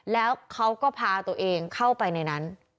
แล้วเขาก็พาตัวเองเข้าไปในนั้น